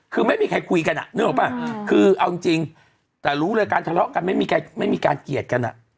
คือไม่มีใครคุยกันอ่ะนึกออกป่ะคือเอาจริงแต่รู้เลยการทะเลาะกันไม่มีการเกลียดกัน